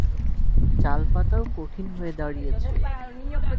জাল পাতাও কঠিন হয়ে দাঁড়িয়েছে।